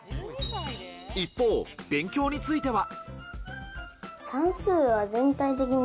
一方、勉強については。